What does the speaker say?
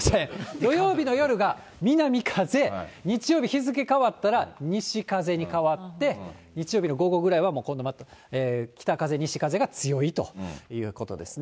土曜日の夜が南風、日曜日、日付変わったら、西風に変わって、日曜日の午後ぐらいはもう今度また北風、西風が強いということですね。